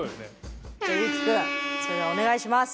じゃあゆうきくんそれではお願いします。